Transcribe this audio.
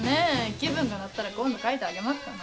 気分が乗ったら今度描いてあげますから。